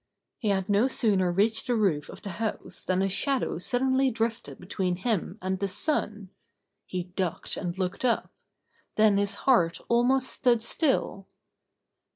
He had no sooner reached the roof of the house than a shadow suddenly drifted betvi^een him and the sun. He ducked and looked up. Then his heart almost stood still.